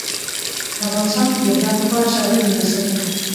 په افغانستان کې د هرات لپاره شرایط مناسب دي.